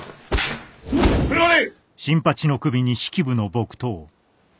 それまで！